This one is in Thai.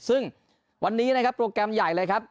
ซึ่งวันนี้นะครับโปรแกรมใหญ่เลยครับ